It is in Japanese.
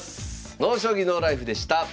「ＮＯ将棋ＮＯＬＩＦＥ」でした。